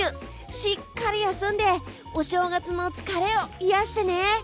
しっかり休んでお正月の疲れを癒やしてね。